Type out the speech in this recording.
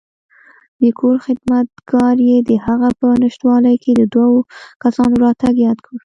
د کور خدمتګار یې دهغه په نشتوالي کې د دوو کسانو راتګ یاد کړ.